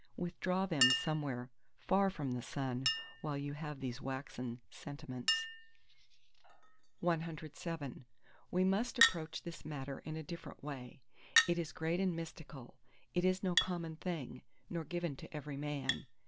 Withdraw then somewhere far from the sun, while you have these waxen sentiments. CVIII We must approach this matter in a different way; it is great and mystical: it is no common thing; nor given to every man.